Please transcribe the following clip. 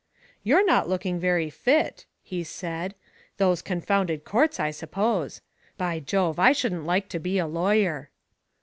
" You're not looking very fit," he said. " Those confounded courts, I suppose. By Jove! I shouldn't like to be a lawyer."